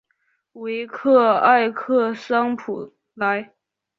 维克埃克桑普莱。